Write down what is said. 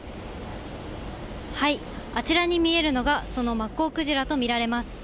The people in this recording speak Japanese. あちらに見えるのが、そのマッコウクジラと見られます。